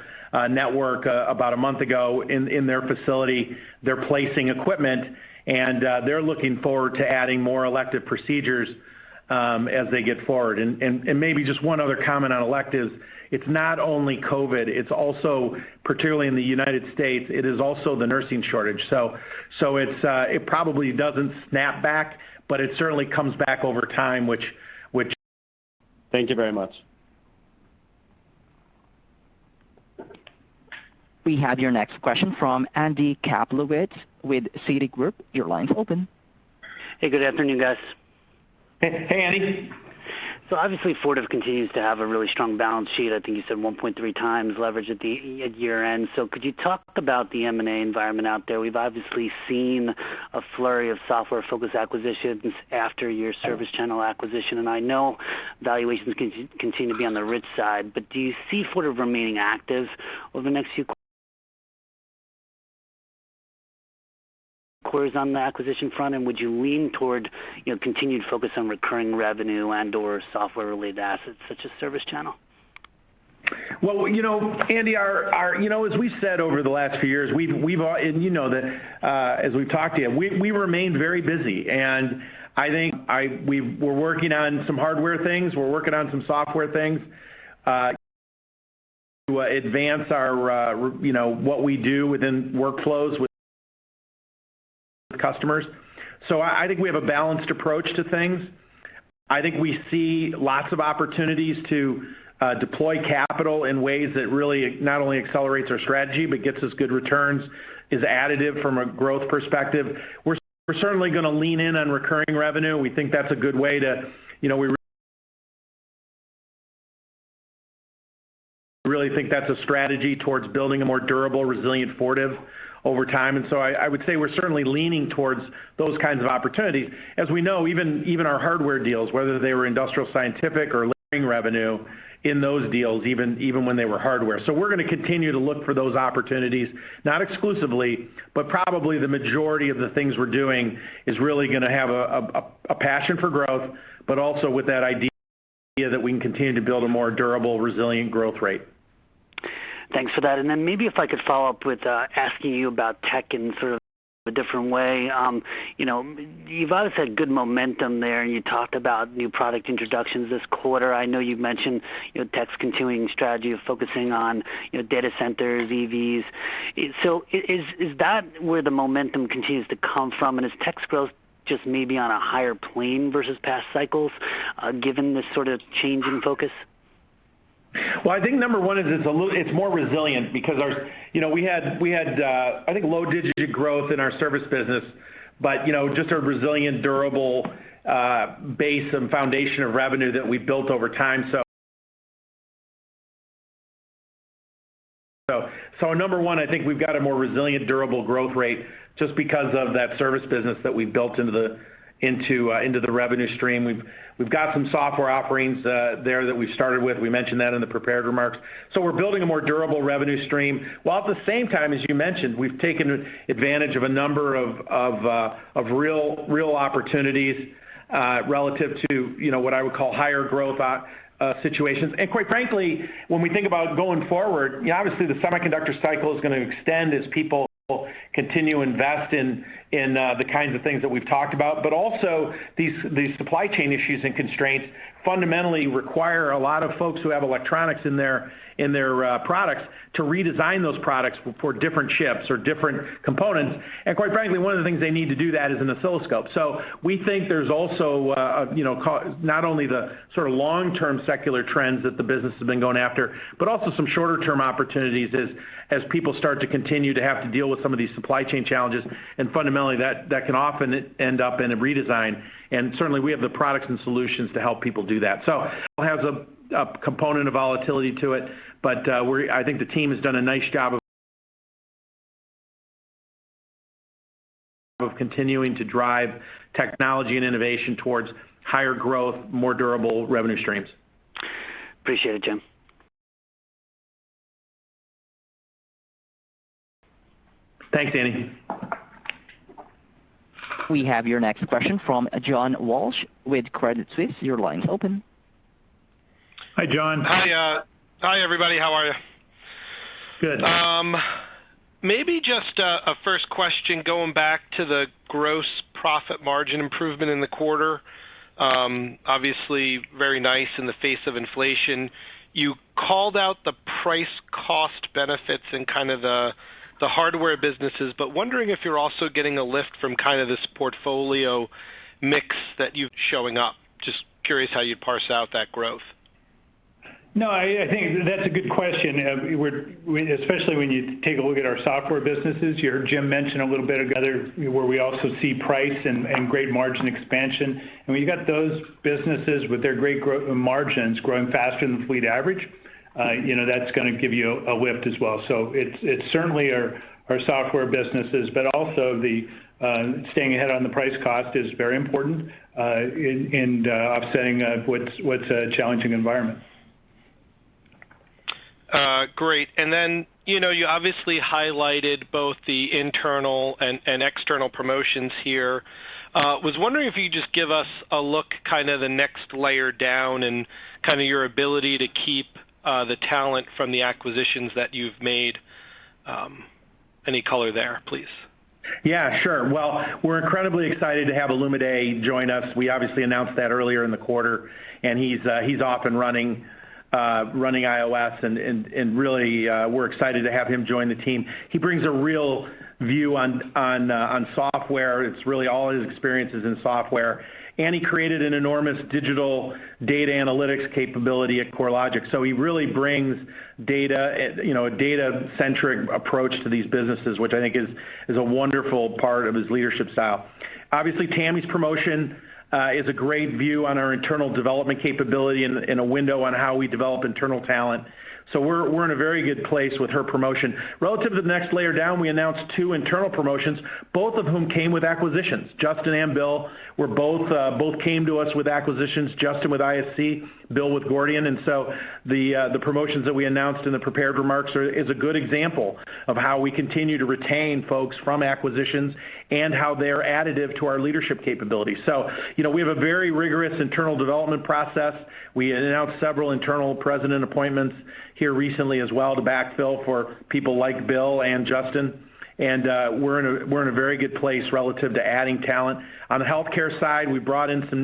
network about a month ago in their facility. They're placing equipment, and they're looking forward to adding more elective procedures as they go forward. Maybe just one other comment on electives. It's not only COVID, it's also particularly in the United States, it is also the nursing shortage. It probably doesn't snap back, but it certainly comes back over time, which Thank you very much. We have your next question from Andy Kaplowitz with Citigroup. Your line's open. Hey, good afternoon, guys. Hey. Hey, Andy. Obviously, Fortive continues to have a really strong balance sheet. I think you said 1.3x leverage at year-end. Could you talk about the M&A environment out there? We've obviously seen a flurry of software-focused acquisitions after your ServiceChannel acquisition. I know valuations continue to be on the rich side, but do you see Fortive remaining active over the next few quarters on the acquisition front? Would you lean toward, you know, continued focus on recurring revenue and/or software-related assets such as ServiceChannel? You know, Andy, you know, as we've said over the last few years, you know that, as we've talked to you, we remain very busy. I think we're working on some hardware things. We're working on some software things to advance our, you know, what we do within workflows with customers. I think we have a balanced approach to things. I think we see lots of opportunities to deploy capital in ways that really not only accelerates our strategy, but gets us good returns, is additive from a growth perspective. We're certainly gonna lean in on recurring revenue. We think that's a good way to, you know, we really think that's a strategy towards building a more durable, resilient Fortive over time. I would say we're certainly leaning towards those kinds of opportunities. As we know, even our hardware deals, whether they were Industrial Scientific or recurring revenue in those deals, even when they were hardware. We're gonna continue to look for those opportunities, not exclusively, but probably the majority of the things we're doing is really gonna have a passion for growth, but also with that idea that we can continue to build a more durable, resilient growth rate. Thanks for that. Maybe if I could follow up with asking you about Tek in sort of a different way. You know, you've always had good momentum there, and you talked about new product introductions this quarter. I know you've mentioned, you know, Tek's continuing strategy of focusing on, you know, data centers, EVs. Is that where the momentum continues to come from? Is Tek's growth just maybe on a higher plane versus past cycles, given this sort of change in focus? Well, I think number one is it's more resilient because, you know, we had low single-digit growth in our service business. You know, just our resilient, durable base and foundation of revenue that we've built over time. Number one, I think we've got a more resilient, durable growth rate just because of that service business that we've built into the revenue stream. We've got some software offerings there that we've started with. We mentioned that in the prepared remarks. We're building a more durable revenue stream, while at the same time, as you mentioned, we've taken advantage of a number of real opportunities relative to, you know, what I would call higher growth situations. Quite frankly, when we think about going forward, obviously the semiconductor cycle is gonna extend as people continue to invest in the kinds of things that we've talked about. But also these supply chain issues and constraints fundamentally require a lot of folks who have electronics in their products to redesign those products for different chips or different components. Quite frankly, one of the things they need to do that is an oscilloscope. We think there's also, you know, not only the sort of long-term secular trends that the business has been going after, but also some shorter term opportunities as people start to continue to have to deal with some of these supply chain challenges. Fundamentally, that can often end up in a redesign. Certainly, we have the products and solutions to help people do that. It has a component of volatility to it, but I think the team has done a nice job of continuing to drive technology and innovation toward higher growth, more durable revenue streams. Appreciate it, Jim. Thanks, Andy. We have your next question from John Walsh with Credit Suisse. Your line's open. Hi, John. Hi, hi everybody. How are you? Good. Maybe just a first question going back to the gross profit margin improvement in the quarter. Obviously very nice in the face of inflation. You called out the price cost benefits in kind of the hardware businesses, but wondering if you're also getting a lift from kind of this portfolio mix that's showing up. Just curious how you'd parse out that growth. No, I think that's a good question. Especially when you take a look at our software businesses. You heard Jim mention a little bit ago there where we also see price and great margin expansion. I mean, you got those businesses with their great gross margins growing faster than fleet average, you know, that's gonna give you a lift as well. It's certainly our software businesses, but also the staying ahead on the price-cost is very important in offsetting what's a challenging environment. Great. Then, you know, you obviously highlighted both the internal and external promotions here. Was wondering if you could just give us a look, kind of the next layer down and kind of your ability to keep the talent from the acquisitions that you've made. Any color there, please? Yeah, sure. Well, we're incredibly excited to have Olumide join us. We obviously announced that earlier in the quarter, and he's off and running iOS and really, we're excited to have him join the team. He brings a real view on software. It's really all his experiences in software. He created an enormous digital data analytics capability at CoreLogic. So he really brings data, you know, a data-centric approach to these businesses, which I think is a wonderful part of his leadership style. Obviously, Tami's promotion is a great view on our internal development capability and a window on how we develop internal talent. So we're in a very good place with her promotion. Relative to the next layer down, we announced two internal promotions, both of whom came with acquisitions. Justin and Bill both came to us with acquisitions, Justin with ISC, Bill with Gordian. The promotions that we announced in the prepared remarks is a good example of how we continue to retain folks from acquisitions and how they're additive to our leadership capability. You know, we have a very rigorous internal development process. We announced several internal president appointments here recently as well to backfill for people like Bill and Justin. We're in a very good place relative to adding talent. On the healthcare side, we brought in some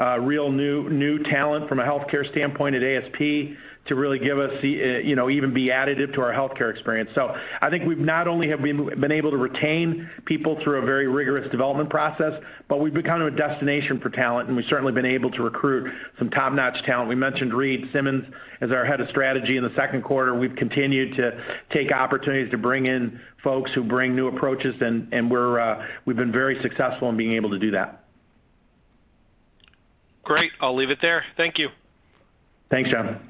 new talent from a healthcare standpoint at ASP to really give us the, you know, even be additive to our healthcare experience. I think we've not only been able to retain people through a very rigorous development process, but we've become a destination for talent, and we've certainly been able to recruit some top-notch talent. We mentioned Reid Simmons as our Head of Strategy in the second quarter. We've continued to take opportunities to bring in folks who bring new approaches, and we've been very successful in being able to do that. Great. I'll leave it there. Thank you. Thanks, John.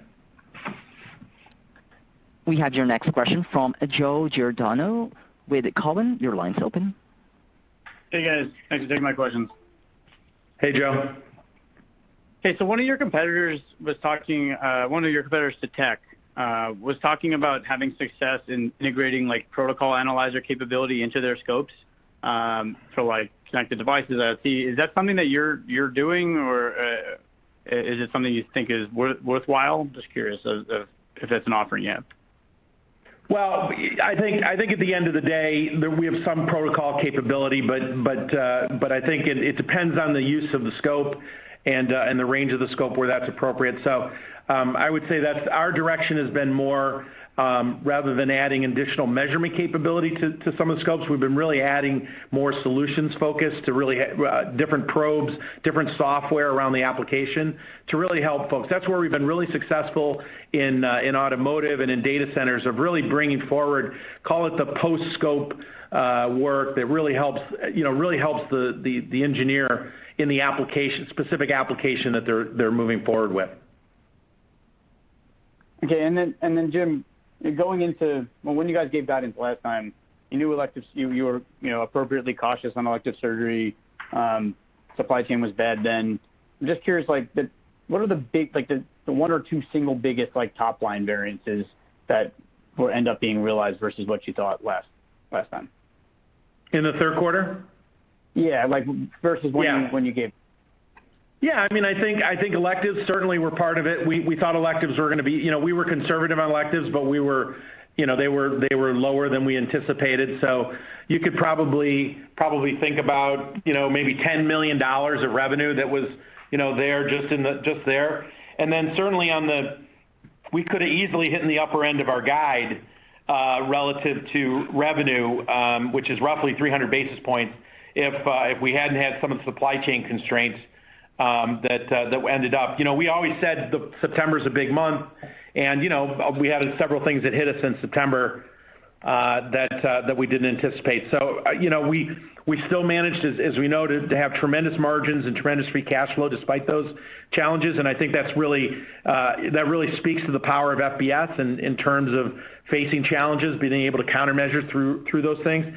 We have your next question from Joe Giordano with Cowen. Your line's open. Hey, guys. Thanks for taking my questions. Hey, Joe. One of your competitors to Tektronix was talking about having success in integrating, like, protocol analyzer capability into their scopes, for, like, connected devices. Is that something that you're doing or is it something you think is worthwhile? Just curious if that's an offering yet. Well, I think at the end of the day that we have some protocol capability, but I think it depends on the use of the scope and the range of the scope where that's appropriate. I would say our direction has been more, rather than adding additional measurement capability to some of the scopes, we've been really adding more solutions focused to really different probes, different software around the application to really help folks. That's where we've been really successful in automotive and in data centers of really bringing forward, call it the post-scope work that really helps, you know, really helps the engineer in the application, specific application that they're moving forward with. Okay. Jim, well, when you guys gave guidance last time, you knew electives, you were, you know, appropriately cautious on elective surgery, supply chain was bad then. I'm just curious, like, what are the one or two single biggest, like, top line variances that will end up being realized versus what you thought last time? In the third quarter? Yeah. Like, versus when. Yeah. you, when you gave. Yeah. I mean, I think electives certainly were part of it. We thought electives were gonna be. You know, we were conservative on electives, but you know, they were lower than we anticipated. You could probably think about, you know, maybe $10 million of revenue that was, you know, there, just there. Then certainly we could have easily hit in the upper end of our guide relative to revenue, which is roughly 300 basis points if we hadn't had some of the supply chain constraints that ended up. You know, we always said that September's a big month and, you know, we had several things that hit us in September that we didn't anticipate. You know, we still managed as we noted to have tremendous margins and tremendous free cash flow despite those challenges, and I think that really speaks to the power of FBS in terms of facing challenges, being able to countermeasure through those things.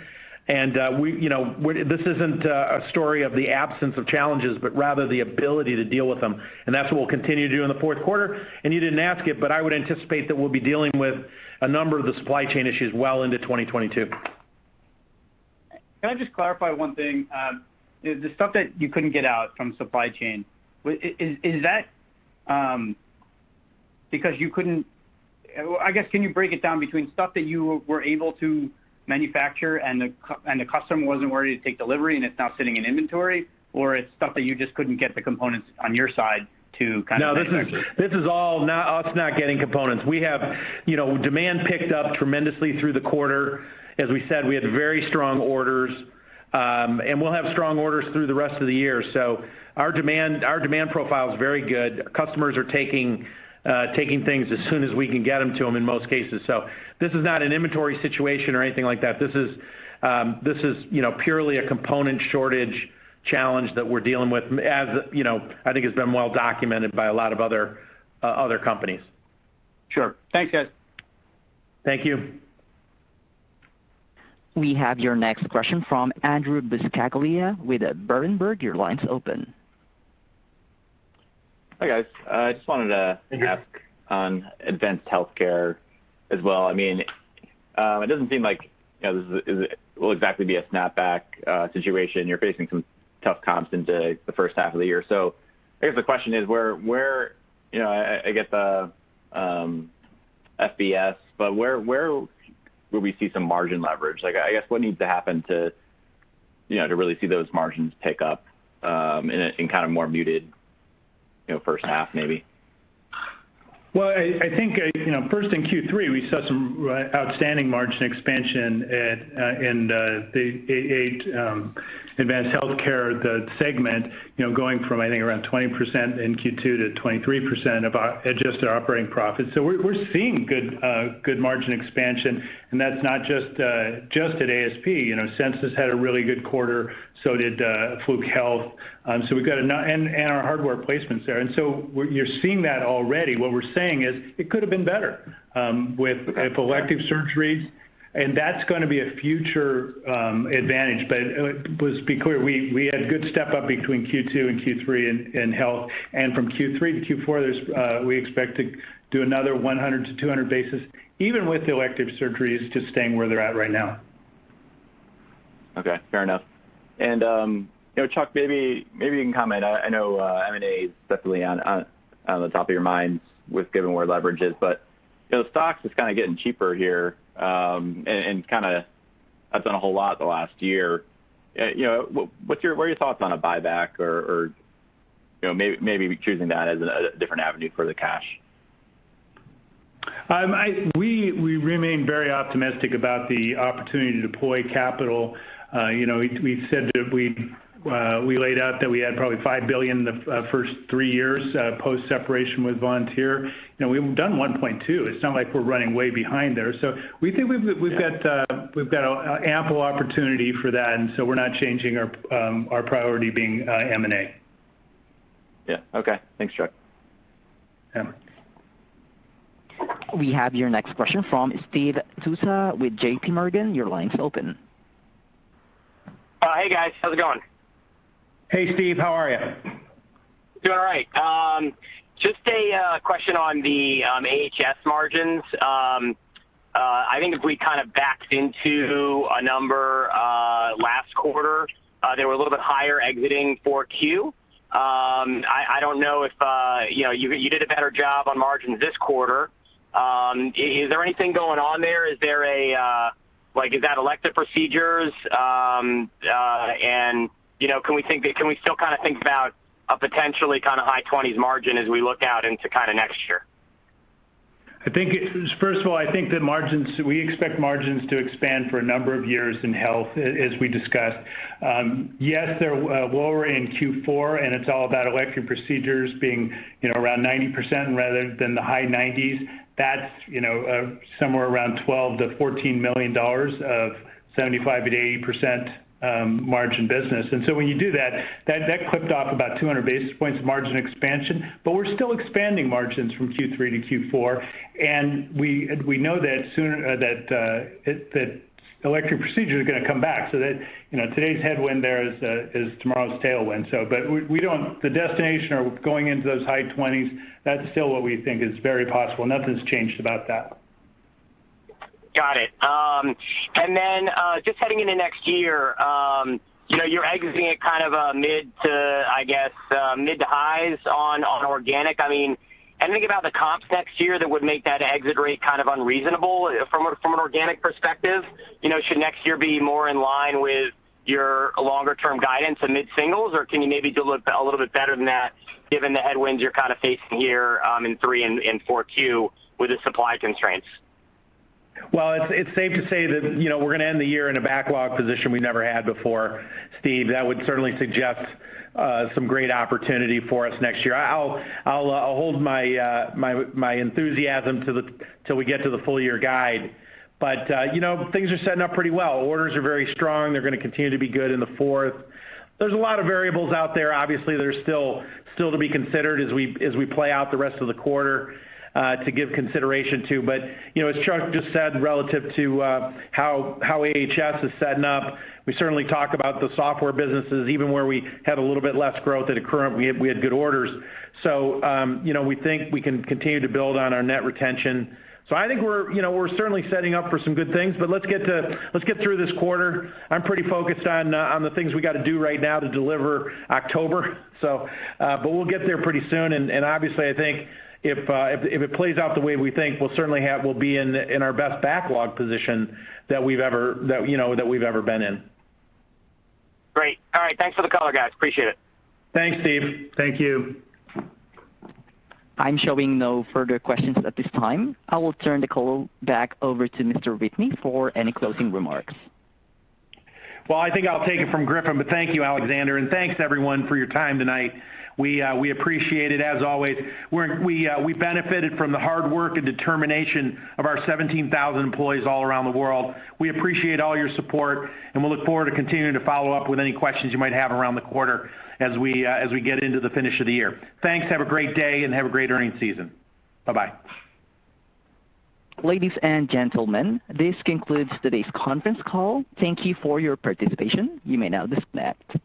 You know, this isn't a story of the absence of challenges, but rather the ability to deal with them. That's what we'll continue to do in the fourth quarter. You didn't ask it, but I would anticipate that we'll be dealing with a number of the supply chain issues well into 2022. Can I just clarify one thing? The stuff that you couldn't get out from supply chain, is that because you couldn't? Well, I guess, can you break it down between stuff that you were able to manufacture and the customer wasn't ready to take delivery, and it's now sitting in inventory, or it's stuff that you just couldn't get the components on your side to kind of manufacture? No, this is all not us not getting components. We have, you know, demand picked up tremendously through the quarter. As we said, we had very strong orders. We'll have strong orders through the rest of the year. Our demand profile is very good. Customers are taking things as soon as we can get them to them in most cases. This is not an inventory situation or anything like that. This is, you know, purely a component shortage challenge that we're dealing with as, you know, I think it's been well documented by a lot of other companies. Sure. Thanks, guys. Thank you. We have your next question from Andrew Buscaglia with Berenberg. Your line's open. Hi, guys. I just wanted to ask- Hey, Greg. on Advanced Healthcare as well. I mean, it doesn't seem like, you know, this will exactly be a snapback situation. You're facing some tough comps into the first half of the year. I guess the question is where, you know, I get the FHS, but where will we see some margin leverage? Like, I guess, what needs to happen to, you know, to really see those margins pick up in kind of more muted, you know, first half maybe? Well, I think you know, first in Q3, we saw some outstanding margin expansion in the AHS, Advanced Healthcare Solutions segment, you know, going from, I think, around 20% in Q2 to 23% of our adjusted operating profits. We're seeing good margin expansion, and that's not just at ASP. You know, Censis had a really good quarter, so did Fluke Health Solutions. So we've got our hardware placements there. You're seeing that already. What we're saying is it could have been better with elective surgeries, and that's gonna be a future advantage. Let's be clear, we had good step-up between Q2 and Q3 in health. From Q3 to Q4, there is, we expect to do another 100-200 basis, even with elective surgeries just staying where they're at right now. Okay. Fair enough. You know, Chuck, maybe you can comment. I know M&A is definitely on the top of your minds with given where leverage is. You know, stock is kind of getting cheaper here, and kind of hasn't done a whole lot the last year. You know, what are your thoughts on a buyback or, you know, maybe choosing that as a different avenue for the cash? We remain very optimistic about the opportunity to deploy capital. We've said that we laid out that we had probably $5 billion in the first three years, post-separation with Vontier. We've done $1.2. It's not like we're running way behind there. We think we've got an ample opportunity for that, and we're not changing our priority being M&A. Yeah. Okay. Thanks, Chuck. Yeah. We have your next question from Steve Tusa with J.P. Morgan. Your line's open. Hey, guys. How's it going? Hey, Steve. How are you? Doing all right. Just a question on the AHS margins. I think if we kind of backed into a number last quarter, they were a little bit higher exiting Q4. I don't know if you know you did a better job on margins this quarter. Is there anything going on there? Is there a like is that elective procedures? You know, can we still kind of think about a potentially kind of high 20s margin as we look out into kind of next year? First of all, I think that margins, we expect margins to expand for a number of years in health, as we discussed. Yes, they're lower in Q4, and it's all about elective procedures being, you know, around 90% rather than the high 90s. That's, you know, somewhere around $12 million-$14 million of 75%-80% margin business. When you do that clipped off about 200 basis points of margin expansion. We're still expanding margins from Q3 to Q4, and we know that elective procedures are gonna come back. That, you know, today's headwind there is tomorrow's tailwind. The destination or going into those high 20s, that's still what we think is very possible. Nothing's changed about that. Got it. Just heading into next year, you know, you're exiting at kind of a mid to, I guess, mid to highs on organic. I mean, anything about the comps next year that would make that exit rate kind of unreasonable from an, from an organic perspective? You know, should next year be more in line with your longer-term guidance to mid-singles, or can you maybe do a little bit better than that given the headwinds you're kind of facing here, in three and in 4Q with the supply constraints? Well, it's safe to say that, you know, we're gonna end the year in a backlog position we never had before, Steve. That would certainly suggest some great opportunity for us next year. I'll hold my enthusiasm till we get to the full year guide. You know, things are setting up pretty well. Orders are very strong. They're gonna continue to be good in the fourth. There's a lot of variables out there. Obviously, they're still to be considered as we play out the rest of the quarter to give consideration to. You know, as Chuck just said, relative to how AHS is setting up, we certainly talk about the software businesses, even where we have a little bit less growth at constant currency, we had good orders. We think we can continue to build on our net retention. I think we're certainly setting up for some good things, but let's get through this quarter. I'm pretty focused on the things we got to do right now to deliver October. We'll get there pretty soon. Obviously, I think if it plays out the way we think, we'll be in our best backlog position that we've ever been in. Great. All right. Thanks for the color, guys. Appreciate it. Thanks, Steve. Thank you. I'm showing no further questions at this time. I will turn the call back over to Mr. Whitney for any closing remarks. Well, I think I'll take it from Griffin, but thank you, Alexander, and thanks everyone for your time tonight. We appreciate it as always. We benefited from the hard work and determination of our 17,000 employees all around the world. We appreciate all your support, and we look forward to continuing to follow up with any questions you might have around the quarter as we get into the finish of the year. Thanks. Have a great day, and have a great earnings season. Bye-bye. Ladies and gentlemen, this concludes today's conference call. Thank you for your participation. You may now disconnect.